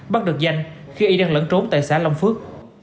bắt được danh khi y đang lẫn trốn tại xã long phước